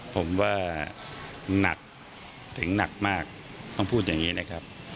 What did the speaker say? ผมว่าหนักถึงหนักมากต้องพูดอย่างนี้นะครับ